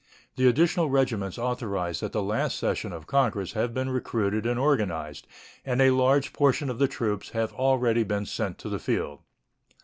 The additional regiments authorized at the last session of Congress have been recruited and organized, and a large portion of the troops have already been sent to the field.